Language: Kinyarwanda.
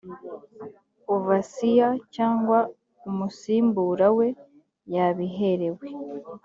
overseer cyangwa umusimbura we yabiherewe